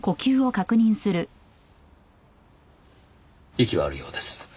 息はあるようです。